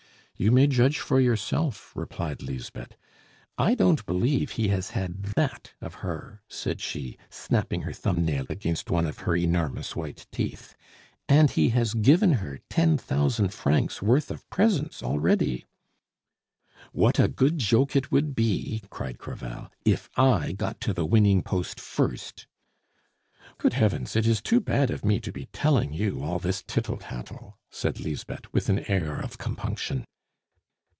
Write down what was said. "You may judge for yourself," replied Lisbeth. "I don't believe he has had that of her," said she, snapping her thumbnail against one of her enormous white teeth, "and he has given her ten thousand francs' worth of presents already." "What a good joke it would be!" cried Crevel, "if I got to the winning post first!" "Good heavens! It is too bad of me to be telling you all this tittle tattle," said Lisbeth, with an air of compunction.